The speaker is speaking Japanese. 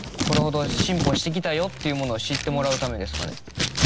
これほど進歩してきたよっていうものを知ってもらうためですかね。